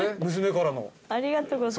ありがとうございます。